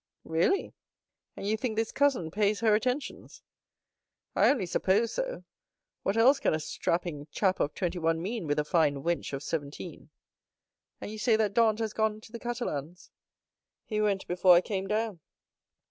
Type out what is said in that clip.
"Really; and you think this cousin pays her attentions?" "I only suppose so. What else can a strapping chap of twenty one mean with a fine wench of seventeen?" "And you say that Dantès has gone to the Catalans?" "He went before I came down."